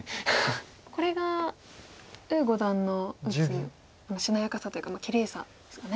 これが呉五段の打つしなやかさというかきれいさですね。